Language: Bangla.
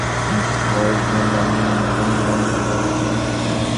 আমার মনে পড়ে আমরা পাঁচ থেকে ছয়জন বন্ধুবান্ধবী বাড়ির সামনে খেলছিলাম।